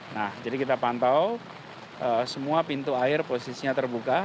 nah jadi kita pantau semua pintu air posisinya terbuka